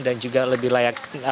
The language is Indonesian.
dan juga lebih layak